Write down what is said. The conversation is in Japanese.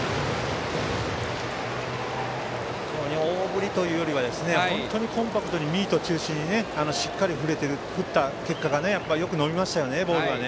大振りというよりは本当にコンパクトにミート中心にしっかり振った結果がよく伸びましたよね、ボールが。